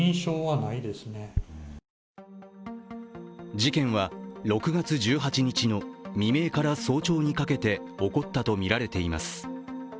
事件は６月１８日の未明から早朝にかけて起こったとみられています。